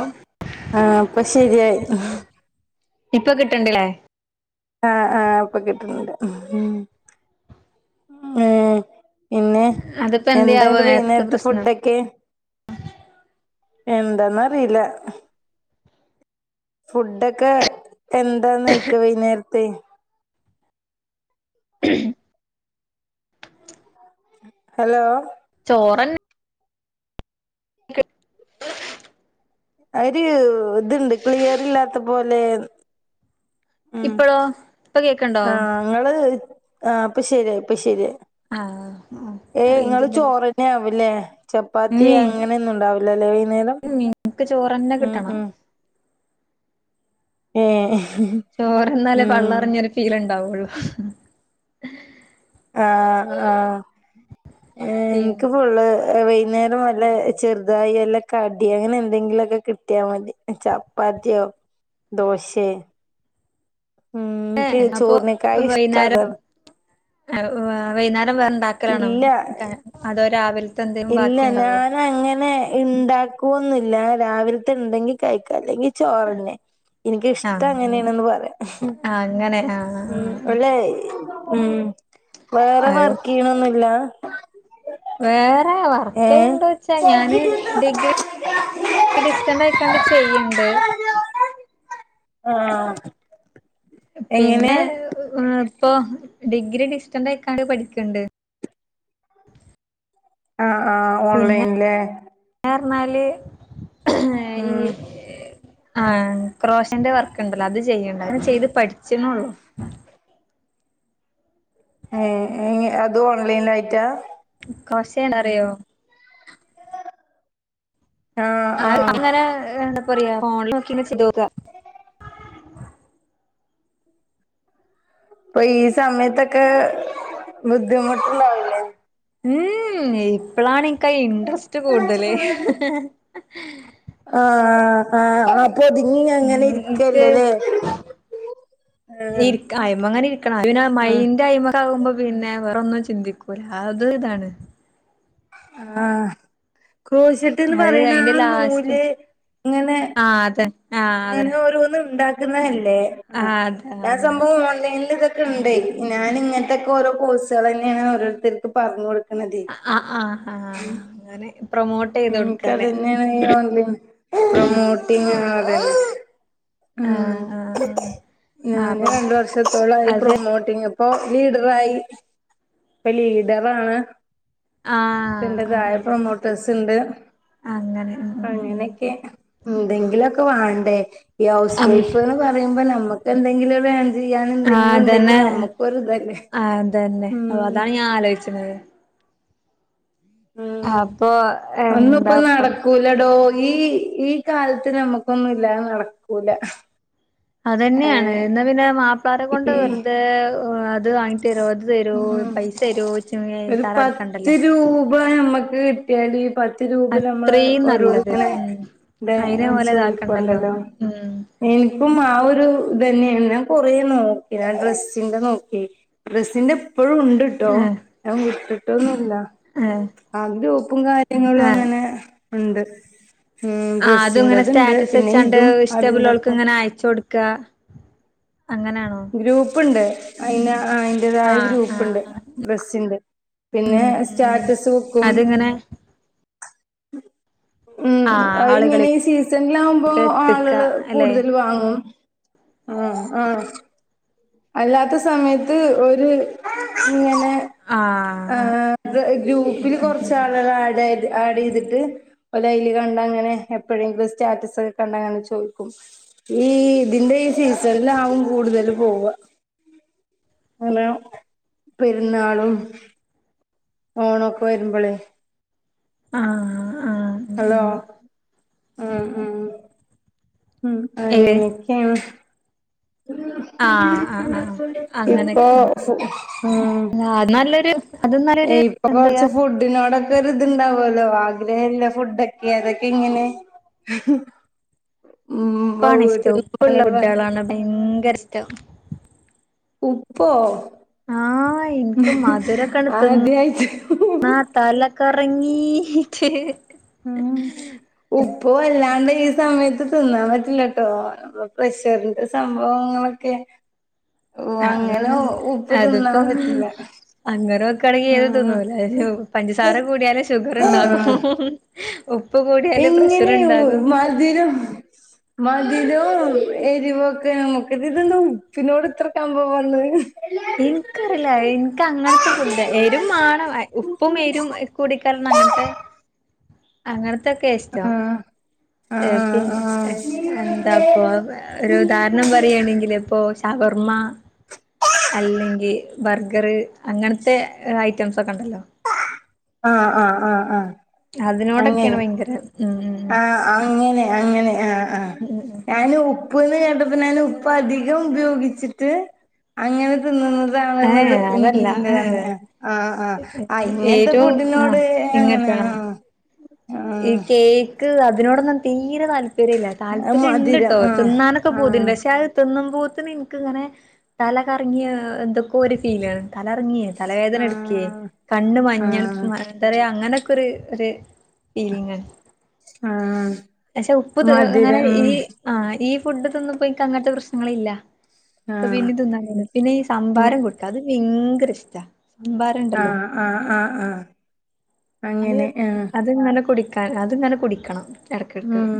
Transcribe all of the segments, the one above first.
ഓ ആഹ് പ്പ ശെര്യായി ഹ്. ഇപ്പ കിട്ടിണ്ട് ലേ ആഹ് ആഹ് അപ്പൊ കിട്ടുണ് ണ്ട് മ് ഏഹ് പിന്നെ അതിപ്പോ എന്താ എന്ത്യാവോ നേരത്തെ വൈന്നേരത്തെ പ്രശ്നം ഫുഡൊക്കെ. എന്താന്നറീല്ല. ഫുഡൊക്കെ എന്താ നോയ്ക്ക വൈകുന്നേരത്ത് [inaudible] ഹലോ ചോറന്നെ [inaudible] ഒരു ഇത്ണ്ട് ക്ലിയർ ഇല്ലാത്ത പോലെ ഉം ഇപ്പഴോ ഇപ്പൊ കേക്കണ്ടോ ആഹ് അങ്ങള് ആഹ് അപ്പ ശരി അപ്പൊ ശരി ആഹ് ഏയ് നിങ്ങള് റേഞ്ചിന്റെ പ്രശ്നം ചോറന്നെ ആവില്ലേ ചപ്പാത്തി ഉമ്മി അങ്ങനെയൊന്നും ഇണ്ടാവില്ലല്ലെ വൈകുന്നേരം ക്ക് ചോറന്നെ ഉം കിട്ടണം. ഉം ഏഹ് ചോറുണ്ണാലേ ഉം പള്ളെറിഞ്ഞൊരു ഫീലുണ്ടാവുള്ളു ആഹ് ആഹ് എൻക്ക് പിന്നെ ഫുള്ള് വൈന്നേരം അല്ല ചെറുതായി അല്ല കടി അങ്ങനെ എന്തെങ്കിലുക്കെ കിട്ടിയാ മതി ചപ്പാത്തിയോ ദോശേ ഉം എൻക്ക് ചോർനേക്കായിഷ്ട അതാണ് വൈകുന്നേരം വേറെണ്ടാക്കലാണോ ഇല്ല അതോ രാവില് ഇല്ല ഞാൻ അങ്ങനെ ഇണ്ടാക്കുവൊന്നില്ല രാവിലത്തെ ഇണ്ടെങ്കി കഴിക്ക അല്ലെങ്കി ചോറന്നെ ഇനിക്കിഷ്ടാ ആഹ് അങ്ങനെണെന്ന് പറയാ ആഹ് അങ്ങനെ ആഹ് ഉം ആഹ് അല്ലെ ഉം വേറെ അത് വർക്ക് ചെയ്യണൊന്നുല്ല വേറെ വർക്കായിണ്ടോ ച്ചാ ഞാന് ഡിഗ്രി ഡിസ്റ്റൻ്റായിക്കാണ്ട് ചെയ്യിണ്ട് ആഹ് എങ്ങനെ പിന്നെ ഇപ്പൊ ഡിഗ്രി ഡിസ്റ്റന്റ് ആക്കാണ്ട് പഠിക്കണ്ട് ആഹ് ആഹ് ഓൺലൈൻലേ റഞ്ഞാല് ഉം ഈ ആഹ് ക്രോഷന്റെ വർക്ക്ണ്ടല്ലോ അത് ചെയ്യണ്ട അത് ചെയ്ത് പഠിച്ച്ന്നെള്ളു ഉം ഇനി അതും ഓൺലൈനായിടാ [unintelligible] അറിയോ ആഹ് അങ്ങനെ എന്താ പറയാ ഫോണിൽ നോക്കി ചെയ്തോക്കാ ഇപ്പൊ ഈ സമയത്തൊക്കെ ബുദ്ധിമുട്ട ഉം ഇപ്പളാണ് എനിക്കയി ഇൻട്രസ്റ്റ് കൂടുതല് ആഹ് ആഹ് ആപ്പോ ഒതുങ്ങി അങ്ങനെ ഇൻക്ക് ഇരിക്കല്ലല്ലേ ഇരിക അയിമേങ്ങനെ ഇരിക്കണം പിന്നെ ആഹ് മൈൻഡ് അയി കുമ്പോ പിന്നെ വേറൊന്നും ചിന്തിക്കൂല്ല അത് ഇതാണ് ആഹ് ക്രോശിട്ട്ന്ന് അത് പറയണ അയിന്റെ ആഹ് നൂല് ഇങ്ങനെ ആ അതെ ആഹ് അങ്ങനെ ഓരോന്നും ഇണ്ടാക്ക്ന്നല്ലേ ആഹ് ആ അതന്നെ സംഭവം ഓൺലൈനില് ഇവിടുണ്ട് ഞാന് ഇങ്ങനത്തെക്കെ ഓരോ കോഴ്സുകള് തന്നാണ് ഓരോരുത്തർക്ക് പറഞ്ഞ് കൊടുക്കുന്ന ആഹ് ആഹ് ആഹ് അങ്ങനെ പ്രൊമോ ഇനിക്ക് അതന്നെയാണ് ഈ ഓൺലൈൻ പ്രൊമോട്ടിങ് അതെ ആഹ് ഉം ആഹ് ആഹ് ആഹ് ഞാന് അപ്പൊ രണ്ട വർഷത്തോളായി അത് പ്രൊമോട്ടിങ് ഇപ്പോ ലീഡറായി ഇപ്പൊ ലീഡറാണ് ആഹ് എന്റെ തായ ആഹ് പ്രൊമോട്ടേഴ്സ് ഇണ്ട് അങ്ങനെ ഉം ഉം ഉം അങ്ങനെക്കെ എന്തെങ്കിലുക്കെ വാടെ ഈ ഹൗസ് അം വൈഫ് എന്ന് പറയുമ്പോ നമുക്ക് എന്തെങ്കിലും വേണ്ട ഇത് ചെയ്യാൻ ആഹ് എന്തെങ്കിലും ഉണ്ടെങ്കി അതന്നെ നമുക്കൊരു ഇതല്ലേ ആഹ് അതന്നെ ഓഹ് അതാണ് ഞാൻ ആലോചിച്ചുന്നത് അപ്പൊ എന്താപ്പൊ ല്ലടോ ഈ ഈ കാലത്ത് നമ്മുക്കൊന്നും ഇല്ലാതെ നടക്കൂല ഏ അതെന്നെയാണ് ന്നാ പിന്നെ മാപ്പിളാരെ കൊണ്ട് ഈ വെറുതെ അത് വാങ്ങി അത് തരോ ഇത് തരോ ഉം പൈസ തരോ ച്ച് ഒരു പത്ത് വൈതാലെടക്കാണ്ടല്ലോ [unintelligible] നമ്മക്ക് കിട്ടിയാല് പ രൂപ നമ്മള് അത്രയും നല്ലത് ഓരോട്ങ്ങനെ ഉം അയിനെ [unintelligible] പോലെ ഇതാക്കണ്ടല്ലോ ചോയ്ക്കല്ലല്ലോ ഉം എനിക്കും ആ ഒരു ഇതെന്നെയാണ് ഞാൻ കൊറെ നോക്കി ഡ്രെസ്സിന്റെ നോക്കി ഡ്രസ്സിന്റെ ഇപ്പഴും ഉണ്ട്ട്ടോ ഞാൻ വിട്ടിട്ടോന്നുല്ല ഏ ആ ഗ്രൂപ്പും കാര്യങ്ങളും അങ്ങനെ ഉണ്ട് ഉം ആ അതു ഇങ്ങനെ ഡ്രസ്സിന്റെത്ണ്ട് സ്റ്റാറ്റസ് പിന്നെ വെച്ചാണ്ട് ഇതും ഇഷ്ട ഉള്ളോർക്ക് അതിന്റെപ്പം ഇങ്ങനെ അയച്ച കൊടു ക്ക അങ്ങനെയാണോ ഗ്രൂപ്പുണ്ട് അയിന ആയി അതിൻ്റേതായ ആഹ് ആഹ് ഗ്രൂപ്പുണ്ട് ആഹ് ഡ്രസ്സിൻ്റെ പിന്നെ ഉം ഉം സ്റ്റാറ്റസ് വക്കും അതിങ്ങനെ ഉം [inaudible] ഉം ആഹ് അത് ഇങ്ങനെ ഈ ആളുകളിലേക്ക് സീസണിലാകുമ്പോ എത്തിക്ക ആളുകള് അല്ലെ കൂടുതൽ വാങ്ങും ഉം അ അല്ലാത്ത സമയത്ത് ഒരു ഇങ്ങനെ ആ ആ ഗ്രൂപ്പില് കുറച്ച് ആളുകളെ ആഡ ആഡ് ചെയ്തിട്ട് ഓല് അയില് കണ്ട അങ്ങനെ എപ്പോഴെങ്കിലും സ്റ്റാറ്റസ് ഒക്കെ കണ്ട അങ്ങനെ ചോദിക്കും. ഈ ഇതിന്റെ ഈ സീസണിലാവും കൂടുതൽ പോവ. അങ്ങനെ പെരുന്നാളും ഓണൊക്കെ വരുമ്പളേ ആ ആ ഹലോ ഉ ഉ ഉം ഏ അങ്ങനൊക്കെയാണ്. ഉ ആഹ് ആഹ് ആഹ് [inaudible] ഇപ്പൊ അങ്ങനെയൊക്കെ ആഹ് ആ അത് നല്ലൊരു അത് നല്ലൊരു ഇപ്പൊ എന്താ കൊറച്ച് ഫുഡിനോടൊക്കെ ഒരു ഇതുണ്ടാവുമല്ലോ ആഗ്രഹള്ള ഫുഡക്കെ അതൊക്കെ ഇങ്ങനെ [inaudible] ഉം ഉപ്പാണ് ഇഷ്ടം വീട്ടിൽ ഉപ്പുള്ള ഉമ്മാനോട് പറ ഫുഡുകളാണ് ഭയങ്കര ഇഷ്ടം ഉപ്പോ ആഹ് എനിക്ക് ആദ്യയിട്ട് [unintelligible] തലക്കറങ്ങിട്ട് ഉം ഉപ്പു വല്ലാണ്ട് ഈ സമയത്ത് തിന്നാൻ പറ്റില്ല ട്ടോ അപ്പ പ്രഷറിന്റെ സംഭവങ്ങളൊക്കെ ഓ അ [unintelligible] അങ്ങനെ ഉപ്പ് തിന്നാൻ അതിപ്പം പറ്റില്ല അങ്ങനെ നോക്കാണെങ്കി ഏത് ഉം തിന്നൂലാലോ പഞ്ചസാര കൂടിയാല് ഷുഗറുണ്ടാകും [unintelligible] ഉപ്പുകൂടി എങ്ങനെയ മധുരം മധുരോം എരിവോക്കെ നമുക്കത് ഇതെന്താ ഉപ്പിനോട് ഇത്ര കമ്പം വന്നത് ഇന്ക്കറില്ല എനിക്ക് അങ്ങനത്തെ ഫുഡ് എരും വേണം ഉപ്പും എരും കൂടിക്കലർന്ന അങ്ങനത്തെ ആ അങ്ങനത്തൊക്കെ ഇഷ്ടം ഏ ആഹ് പിന്ന ആഹ് ഏ എന്താപ്പൊ ഒരു ഉദാഹരണം പറയയാണെങ്കിൽ പ്പൊ ഷവർമ്മ അല്ലെങ്കിൽ ബർഗർ അങ്ങനത്തെ ഐറ്റംസ് ഒക്കെ ഉണ്ടല്ലോ ആ ആ ആ ആ അതിനോടൊക്കെയാണ് ഭയങ്കര ഉം ആ അങ്ങനെ അങ്ങനെ ആ ആ ഉം ഞാൻ ഉപ്പ് ഉപ്പന്ന് കേട്ടപ്പോ ഞാൻ ഉപ്പ് അധികം ഉപയോഗിച്ചിട്ട് അങ്ങനെ ഏ തിന്നുന്നതണെന്നത് അതല്ല [unintelligible] എ ആ ആ ആ ഏ ഇങ്ങനത്തെ ഏറ്റവും ആ ഫുഡിനോട് അങ്ങനെ ഇങ്ങോട്ട് അ ആ ഈ കേക്ക് അതിനോടൊന്നും തീരെ താല്പര്യ ഇല്ല. അത് താല്പര്യം ണ്ട് മധുരം ട്ടോ ആഹ് തിന്നാനൊക്കെ പൂതിണ്ട് ആഹ് പക്ഷെ അഹ് തിന്നുമ്പോത്ത് ന് ഇന്ക്ക് ഇങ്ങനെ തലകറങ്ങിയ എന്തൊക്കോ ഒരു ഫീലണ് തലറങ്ങിയെ തലവേദന എടുക്കേ ആഹ് കണ്ണ് മഞ്ഞൾ പ്പ് ആഹ് മാ എന്താ റയ അങ്ങനെയൊക്കെര് ഒര് ഫീലിംഗണ് ആഹ് പക്ഷെ ഉപ്പ് തീ അങ്ങനെ മധുരം ഈ ഉം ആഹ് ഈ ഫുഡ് തിന്നുബോ ഇൻക്ക് അങ്ങന് ത്തെ പ്രശ്നങ്ങള് ഇല്ല അപ്പൊ ആഹ് പിന്നെ തിന്നാൻ തോന്നും പിന്നെ ഈ പിന്നെ സംമ്പാരം കൂട്ടാൻ അത് ഭയങ്കര ഇഷ്ട സംഭാരം ഉണ്ടല്ലോ ആഹ് ആഹ് ആഹ്ആഹ്അങ്ങനെ ആഹ് അത്ങ്ങനെ കുടിക്കാൻ അത്ങ്ങനെ കുടിക്കണം ഇടക്കിടക്ക് ഉം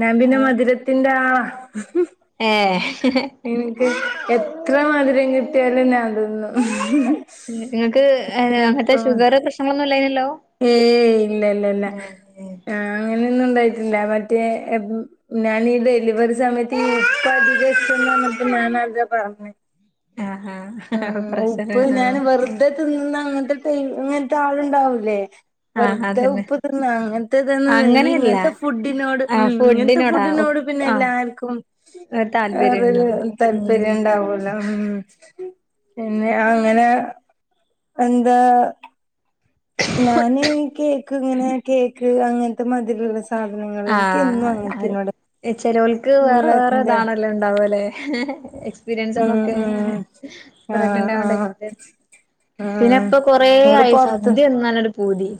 ഞാൻ പിന്നെ മധുരത്തിന്റെ ആ ഏഹ് ഇന്ക്ക് എത്ര മധുരം കിട്ടിയാലും ഞാ തിന്നും ഇങ്ങൾക്ക് അങ്ങന് എപ്പ ത്തെ ഷുഗർ പ്രശ്നങ്ങളൊന്നും ഇല്ലേയ്ന്നല്ലോ ഏയ് ഇല്ല ഇല്ല ഇല്ല അങ്ങനെയൊന്നും ണ്ടായിട്ടില്ല മറ്റേ ഞാന് ഈ ഡലിവറി സമയത്ത് ഈ ഉപ്പതികം ഇഷ്ട്ടം ന്ന്പറഞ്ഞപ്പോ ഞാന അതാ പറഞ്ഞ ആഹ് ഹാ ആപ്രഷർണ് ആഹ് ത്തേ തിന്ന് അങ്ങന് ത്തെ ത്തെ ഇങ്ങന് ത്തെ ആള്ണ്ടാവൂല്ലേ ആഹ് വെറുതെ അതന്നെ ഉപ്പ് തിന്ന അങ്ങന് ത്തെതന്ന അങ്ങനെയല്ല ഇങ്ങന് ത്തെ ഫുഡിനോട് ഉ ആഹ് ഇങ്ങന് ത്തെ ഫുഡിനോടാ ഫുഡിനോട് പിന്നെ ആഹ് എല്ലാർക്കും താല്പര്യണ്ടോ വേറരു ഉം താല്പര്യം ഉണ്ടാവല്ലോ ഉം പിന്നെ അങ്ങനെ എന്താ ഞാന് കേക്ക് ഇങ്ങനെ കേക്ക് അങ്ങന് ത്തെ മതിരിള്ള സാ സാധനങ്ങള് ഇന്ക്ക് എന്നും അങ്ങന് ത്തിനോട് ഏഹ് ചെലോക്ക് വേറെ വേറെ ഇതാണല്ലോ ഇണ്ടാവലെ ഉം എസ്പിരിയൻസലോകെ ഉം ആഹ് പ്രഗ്നന്റ് ആയോണ്ട് ആഹ് സ്പൻ സ് പിന്നെ ആഹ് ഇപ്പൊ ഇങ്ങട് കൊറെയായി പൊറത്ത് സദ്യ തിന്നാന് ഒരു പൂതി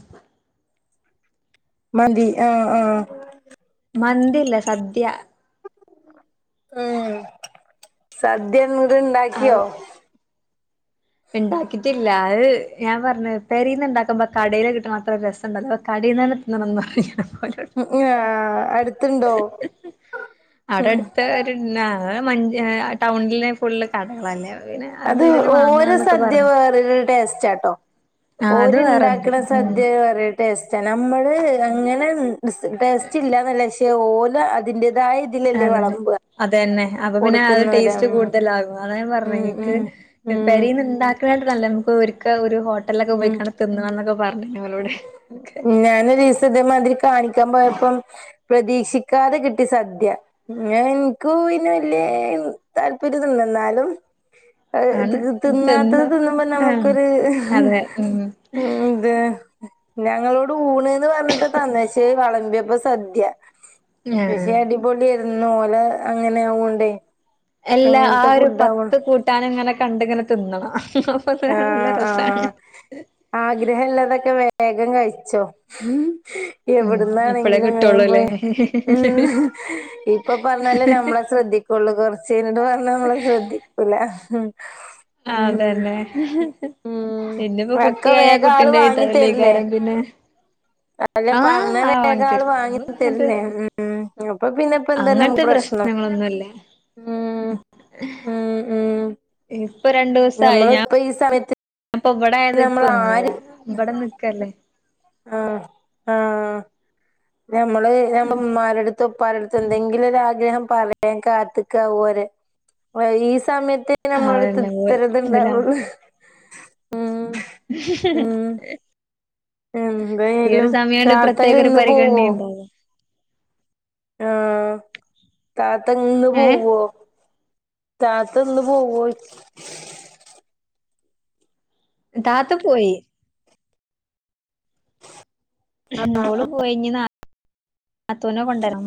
മന്തി ആഹ്ആഹ് മന്തി യല്ല സദ്യ ഏഹ് സദ്യ ഇത് ഇണ്ടാക്കിയോ ഇണ്ടാക്കിട്ടില്ല അഹ് ഞാൻ പറഞ്ഞ് പെരിന്ന് ഇണ്ടാക്കുമ്പം കടേല് കിട്ട്ണ ത്ര രസംണ്ടാവൂല അപ്പൊ കടേന്ന് ന്നെ [unintelligible] ഉം യാ അടുത്ത് ണ്ടോ ഉം ഉം പിന്നെ ഇവടെ മൻ ഹേ ടൗണ് ല് ഫുള്ള് കടകളല്ലേ പ്പം പിന്നെ അതില് വാങ്ങ രെ സദ്യ വേറെര് ടേസ്റ്റ് ആ ട്ടോ ആ അത് ഓര് ണ്ടാ വേറെണ്ട് ക്ണ സ ഉം ഇത് ഒരേ ടേസ്റ്റ് നമ്മള് അങ്ങനെ ടേസ്റ്റ് ഇല്ലന്നല്ല പക്ഷേ ഓല് അതിന്റേതായ ഇതിലല്ലേ അത് ണ്ട് വെളമ്പുക അതെന്നെ അപ്പൊ പിന്നെ അത് കൊടുക്കുന്നവര് ടേസ്റ്റ് കൂടുതലാകും അതാ ഞാ പറഞ്ഞ ഉം എനിക്ക് ഉം ഉം പെരിന്ന് ഉം ഉണ്ടാക്കണായിട്ട് നല്ല നമുക്ക് ഒരുക്ക ഒരു ഹോട്ടലൊക്കെ പോയിക്കാട് തിന്നാന്നൊക്കെ പറ്ഞ്ഞ് ഞങ്ങളോട് ഞാനരീസം ഇതേമാതിരി കാണിക്കാൻ പോയപ്പം പ്രതീക്ഷിക്കാതെ കിട്ടി സദ്യ ഞാൻ ഇന്ക്ക് പിന്നെ വല്യ താല്പര്യന്നുല്ല ന്നാലും ആണ് അഹ് തിന്നാത്തത് തിന്ന് തിന്നുമ്പോ ആ നമുക്കൊരു ഉം ഇത് ഞങ്ങളോട് ഊണ് പറഞ്ഞിട്ട് തന്ന ക്ഷേ വളമ്പിയപ്പോ സദ്യ ആഹ് ക്ഷേ ആഹ് അ പൊളിര്ന്ന് ഓലെ അങ്ങനെയ ആവണ്ടേ എല്ലാ ആ ഒരു പത്ത് കൂ ട്ടാന് ങ്ങനെ കണ്ട്ങ്ങനെ തിന്നണം അപ്പൊ നല്ല രസാണ് ആഗ്രഹല്ലാതൊക്കെ വേഗം കഴിച്ചോ ഉം ഇപ്പളേ എവിടുന്നാണെങ്കിലും വേഗം കിട്ടുള്ളൂല്ലേ പോയി ഉം ഇപ്പൊ പറഞ്ഞല് നമ്മളെ ശ്രദ്ധി പൊള്ള് കൊറച്ച് യ്ഞ്ഞിട്ട് പറഞ്ഞ നമ്മള് ശ്രദ്ധിക്കൂല ആഹ് ഉം അതന്നെ എന്നന്നിപ്പോ ഒക്കെ കുട്ടിയായ വേഗം ആള് കുട്ടിൻ്റെ [unintelligible] വാങ്ങി തരില്ലേ തല്ലകാരം പിന്ന അല്ല ആഹ് പറഞ്ഞ ആ് വേഗം ആള് വങ്തരു വാങ്ങി തരില്ലേ [unintelligible] ഉം അപ്പൊ പിന്നെ ഇപ്പന്താ നമക്ക് പ്രശ്നം പ്രശ്നങ്ങളൊന്നുല്ല ഉ, ഉ, ഉ. ഇപ്പൊ രണ്ട് നമ്മള ഇപ്പ ഈ സമയത്ത് അപ്പൊ വ്ടെ നിപ്പ് നമ്മളാര് തൊടങ്ങിയതാ വിട നിക്കല്ലേ. ആഹ്, ആഹ് ഞമ്മള് ഞമ്മ ഉമ്മാരടുത്തും ഉപ്പാര ടുത്തും എന്തെങ്കിലും ഒരു ആഗ്രഹം പറ [unintelligible] കാത്തക്ക പോര് ഈ സമയത്ത് നമ്മള അതന്നെ ഇതിലാണ് അടുത്ത്ത്തരത്ണ്ടാവുള്ളൂ ഉം ഉം [unintelligible] ഈ ഒരു എന്തായാലും സമയണ്ട് താത്ത പ്രത്യേക ഒരു ഇന്ന് പോവോ പരിഗണനെണ്ടാവും. ആഹ് താതങ്ങ് ഏഹ് പോവോ? താത്തന്ന് പോവോയി താത്ത പോയി. ഓള് പോയിഞ്ഞി നാ ത്തൂനെ കൊണ്ടരാ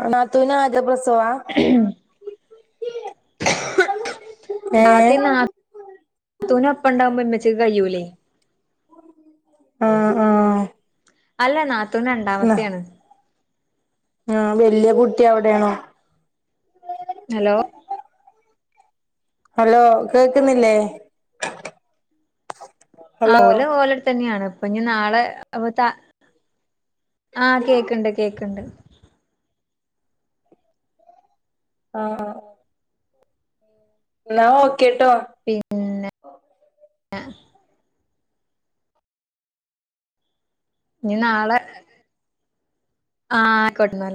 ആ നത്തുനെ ആദ്യ പ്രസവാ ഏഹ് ആദ്യം രാത് നത്തൂന അപ്പ ഉണ്ടാവകുമ്പോമച്ച്ക്ക് കഴൂലേ ആ, ആ അല്ല നാത്തൂൻ രണ്ടാമത്തെയാണ്. ആ വല്യ കുട്ടി അവിടെയാണോ? ഹലോ ഹലോ കേക്കുന്നില്ലേ? ആ ഹലോ ഓല് ഓലെട തന്നെയാണ് അപ്പൊ ഞ്ഞി നാളെ അപ്പൊ ത ആഹ് കേക്കുണ്ട്, കേക്കുണ്ട്. ആഹ. എന്ന ഓക്കേ കേട്ടോ പിന്നെ അഹ നീ നാളെ ആഹ കൊട്ടന്നല്ല